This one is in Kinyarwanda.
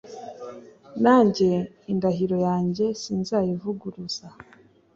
Nanjye indahiro yanjye sinzayivuguruza